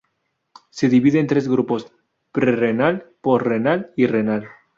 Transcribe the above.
Se divide en tres grupos: pre-renal, post-renal y renal.